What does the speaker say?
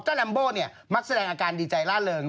ลัมโบ้เนี่ยมักแสดงอาการดีใจล่าเริง